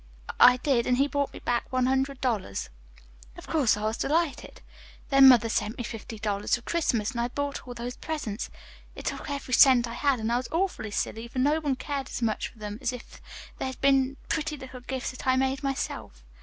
I did, and he brought me back one hundred dollars. "Of course, I was delighted. Then mother sent me fifty dollars for Christmas, and I bought all those presents. It took every cent I had, and I was awfully silly, for no one cared as much for them as if they'd been pretty little gifts that I made myself.